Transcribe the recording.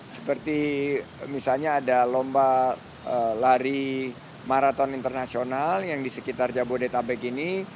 seperti misalnya ada lomba lari maraton internasional yang di sekitar jabodetabek ini